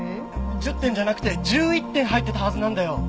１０点じゃなくて１１点入ってたはずなんだよ。